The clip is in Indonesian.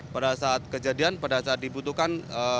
pada saat kejadian pada saat dibutuhkan